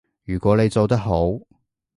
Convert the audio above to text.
如果你做得好